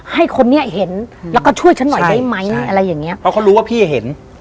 ให้คนนี้เห็นแล้วก็ช่วยฉันหน่อยได้ไหมอะไรอย่างเงี้เพราะเขารู้ว่าพี่เห็น